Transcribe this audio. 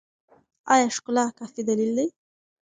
ایا ښکلا کافي دلیل دی؟